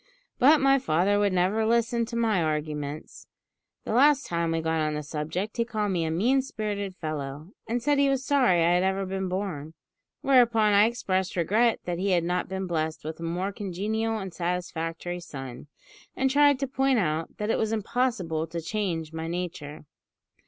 But my father would never listen to my arguments. The last time we got on the subject he called me a mean spirited fellow, and said he was sorry I had ever been born; whereupon I expressed regret that he had not been blessed with a more congenial and satisfactory son, and tried to point out that it was impossible to change my nature.